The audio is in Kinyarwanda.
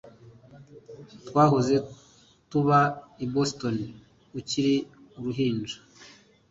Twahoze tuba i Boston ukiri uruhinja